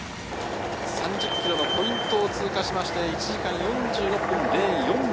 ３０ｋｍのポイントを通過して１時間４６分０４秒。